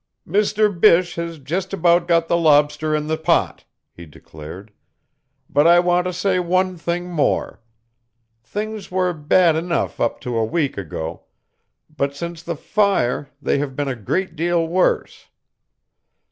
"Mr. Bysshe has just about got the lobster in the pot," he declared, "but I want to say one thing more. Things were bad enough up to a week ago, but since the fire they have been a great deal worse.